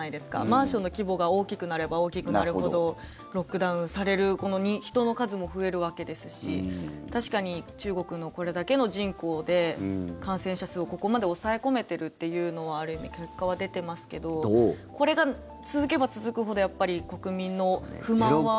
マンションの規模が大きくなれば大きくなるほどロックダウンされる人の数も増えるわけですし確かに中国のこれだけの人口で感染者数をここまで抑え込めているというのはある意味、結果は出てますけどこれが続けば続くほどやっぱり国民の不満は。